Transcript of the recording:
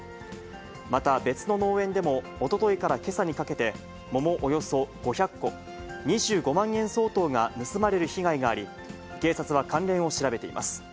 また、別の農園でもおとといからけさにかけて、桃およそ５００個、２５万円相当が盗まれる被害があり、警察は関連を調べています。